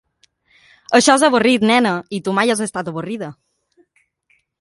Això és avorrit, nena, i tu mai has estat avorrida.